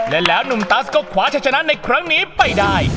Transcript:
และแล้วหนุ่มตัสก็คว้าชะชนะในครั้งนี้ไปได้